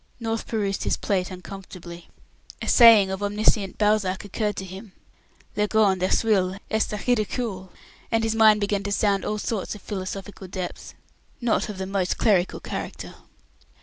North perused his plate uncomfortably. A saying of omniscient Balzac occurred to him. "Le grand écueil est le ridicule," and his mind began to sound all sorts of philosophical depths, not of the most clerical character.